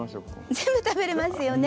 全部食べれますよね。